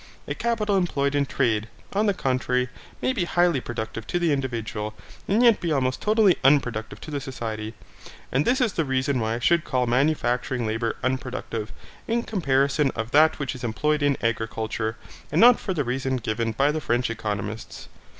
A capital employed in trade, on the contrary, may be highly productive to the individual, and yet be almost totally unproductive to the society: and this is the reason why I should call manufacturing labour unproductive, in comparison of that which is employed in agriculture, and not for the reason given by the French economists.